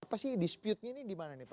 apa sih disputnya ini dimana nih pak